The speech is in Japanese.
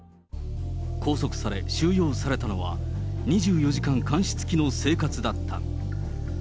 拘束され、収容されたのは、２４時間監視付きの生活だった。